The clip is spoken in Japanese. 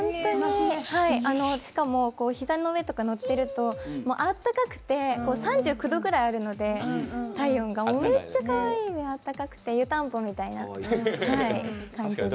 しかも、膝の上に乗ってるとあったかくて体温が３９度ぐらいあるのでめっちゃかわいいんです、あったかくて湯たんぽみたいな感じで。